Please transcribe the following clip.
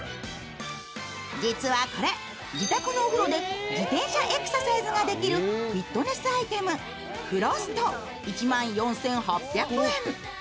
実はこれ、自宅のお風呂で自転車エクササイズができるフィットネスアイテム、ｆｕｔｏｓｔ１万４８００円。